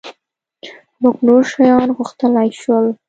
مونږ نور شیان غوښتلای شول.